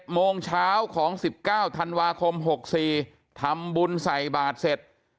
โมงเช้าของ๑๙ธันวาคม๖๔ทำบุญใส่บาทเสร็จ